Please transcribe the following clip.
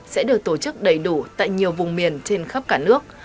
sẽ được tổ chức đầy đủ tại nhiều vùng miền trên khắp cả nước